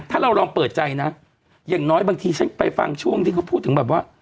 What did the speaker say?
ถ้าเราลองเปิดใจนะอย่างน้อยบางทีฉันไปฟังช่วงที่เขาพูดถึงแบบว่า